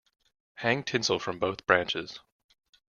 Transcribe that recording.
Hang tinsel from both branches.